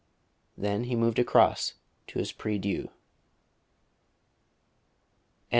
Then he moved across to his prie dieu.